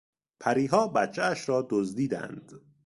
پریها بچهاش را دزدیدند.